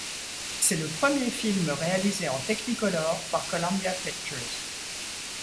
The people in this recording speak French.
C'est le premier film réalisé en Technicolor par Columbia Pictures.